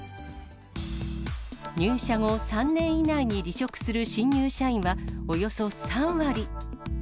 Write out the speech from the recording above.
入社後３年以内に離職する新入社員はおよそ３割。